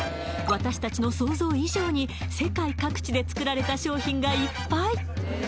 私たちの想像以上に世界各地で作られた商品がいっぱい！